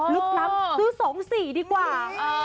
ลูกล้ำคือ๒๔ดีกว่า